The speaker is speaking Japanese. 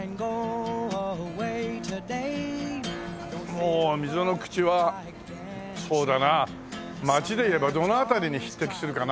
もう溝の口はそうだな街でいえばどの辺りに匹敵するかな？